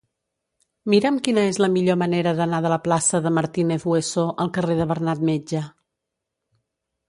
Mira'm quina és la millor manera d'anar de la plaça de Martínez Hueso al carrer de Bernat Metge.